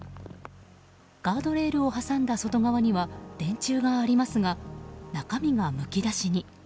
ガードレールを挟んだ外側には電柱がありますが中身がむき出しに。